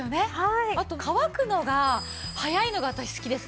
あと乾くのが早いのが私好きですね。